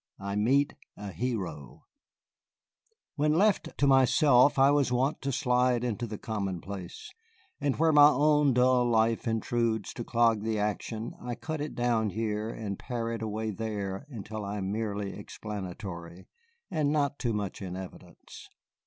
I MEET A HERO When left to myself, I was wont to slide into the commonplace; and where my own dull life intrudes to clog the action I cut it down here and pare it away there until I am merely explanatory, and not too much in evidence.